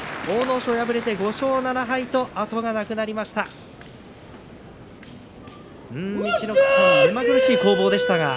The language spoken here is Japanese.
阿武咲、敗れて５勝７敗と後がなくなりました。